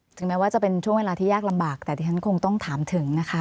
ถึงแม้ว่าจะเป็นช่วงเวลาที่ยากลำบากแต่ที่ฉันคงต้องถามถึงนะคะ